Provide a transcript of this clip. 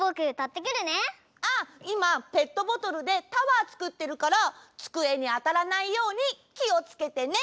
あっいまペットボトルでタワーつくってるからつくえにあたらないようにきをつけてね！